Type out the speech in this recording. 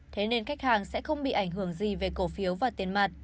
thế nên khách hàng sẽ không bị ảnh hưởng gì về cổ phiếu và tiền mặt